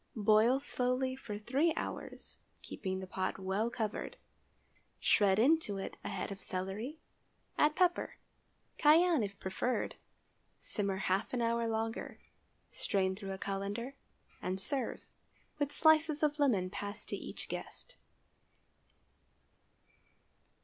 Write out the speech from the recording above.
Boil slowly for three hours, keeping the pot well covered; shred into it a head of celery, add pepper—cayenne, if preferred—simmer half an hour longer, strain through a cullender, and serve, with slices of lemon passed to each guest.